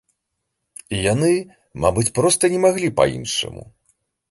І яны, мабыць, проста не маглі па-іншаму.